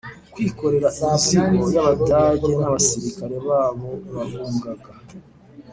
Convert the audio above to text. kwikorera imizigo y'Abadage N’Abasirikare babo bahungaga